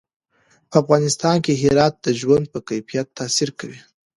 په افغانستان کې هرات د ژوند په کیفیت تاثیر کوي.